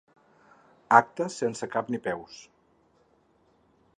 Actes sense cap ni peus.